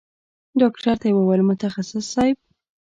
ډاکتر ته يې وويل متخصص صايب.